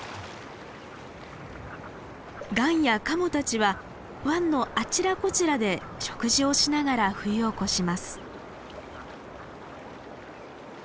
ガンやカモたちは湾のあちらこちらで食事をしながら冬を越します。